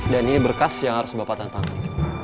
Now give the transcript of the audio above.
dan ini berkas yang harus bapak tantangkan